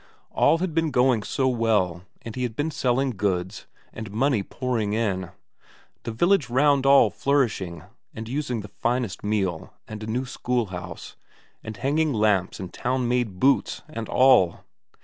All had been going so well, and he had been selling goods, and money pouring in; the village round all flourishing, and using the finest meal, and a new schoolhouse, and hanging lamps and town made boots, and all!